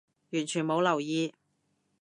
完全冇留意